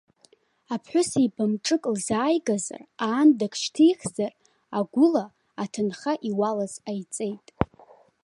Аԥҳәысеиба мҿык лзааигазар, аандак шьҭихзар, агәыла, аҭынха иуалыз ҟаиҵеит.